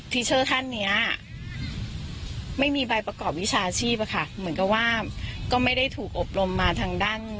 เชอร์ท่านเนี้ยไม่มีใบประกอบวิชาชีพอะค่ะเหมือนกับว่าก็ไม่ได้ถูกอบรมมาทางด้าน